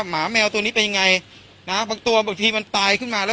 หมาแมวตัวนี้เป็นยังไงนะบางตัวบางทีมันตายขึ้นมาแล้ว